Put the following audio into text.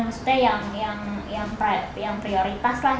maksudnya yang prioritas lah